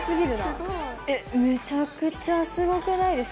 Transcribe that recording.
めちゃくちゃすごくないですか？